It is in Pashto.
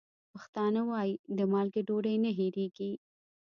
پښتانه وايي: د مالګې ډوډۍ نه هېرېږي.